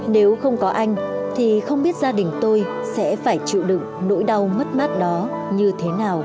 nếu không có anh thì không biết gia đình tôi sẽ phải chịu đựng nỗi đau mất mắt